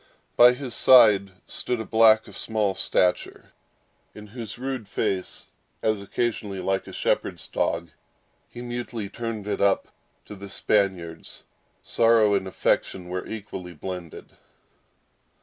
By his side stood a black of small stature, in whose rude face, as occasionally, like a shepherd's dog, he mutely turned it up into the Spaniard's, sorrow and affection were equally blended.